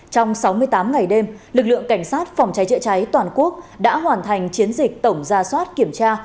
trong sáu mươi tám ngày đêm lực lượng cảnh sát phòng cháy chữa cháy toàn quốc đã hoàn thành chiến dịch tổng ra soát kiểm tra